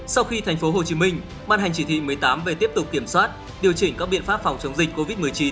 sau khi thành phố hồ chí minh ban hành chỉ thị một mươi tám về tiếp tục kiểm soát điều chỉnh các biện pháp phòng chống dịch covid một mươi chín